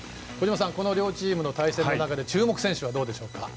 この両チームの対戦の中で注目選手はどうでしょうか？